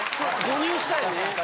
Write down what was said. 五入したいよね。